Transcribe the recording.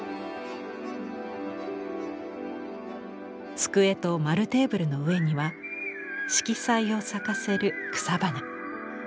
机と円テーブルの上には色彩を咲かせる草花。